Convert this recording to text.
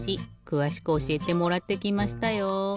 くわしくおしえてもらってきましたよ。